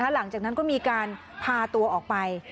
หลังจากนั้นก็มีการพาตัวออกไป